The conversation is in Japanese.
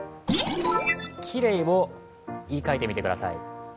「きれい」を言い換えてみてください。